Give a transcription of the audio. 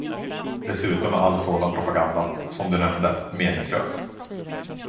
Dessutom är all sådan propaganda, som du nämnde, meningslös.